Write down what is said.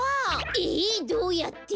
えっどうやって？